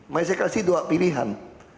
makanya saya kasih dua pilihan